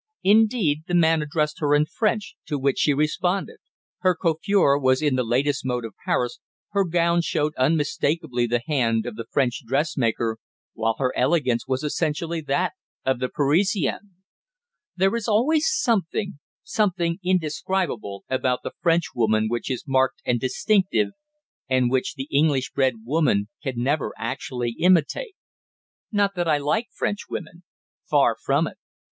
Indeed, the man addressed her in French, to which she responded. Her coiffure was in the latest mode of Paris, her gown showed unmistakably the hand of the French dressmaker, while her elegance was essentially that of the Parisienne. There is always a something something indescribable about the Frenchwoman which is marked and distinctive, and which the English bred woman can never actually imitate. Not that I like Frenchwomen. Far from it.